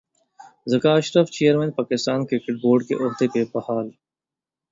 Zaka Ashraf chairman Pakistan cricket board کے عہدے پر بحال